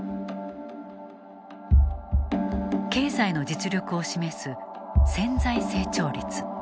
経済の実力を示す潜在成長率。